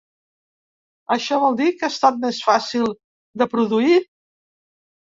Això vol dir que ha estat més fàcil de produir?